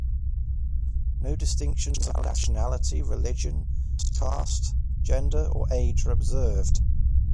No distinctions of nationality, religion, caste, gender, or age are observed.